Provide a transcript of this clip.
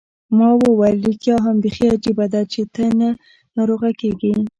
ما وویل: ریښتیا هم، بیخي عجبه ده، چي ته نه ناروغه کېږې.